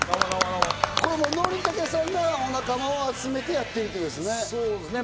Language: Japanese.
これ憲武さんがお仲間を集めてやってるってことですね？